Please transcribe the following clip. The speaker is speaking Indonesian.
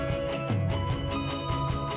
ya akunau adalah anakku